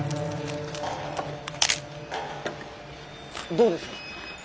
どうです？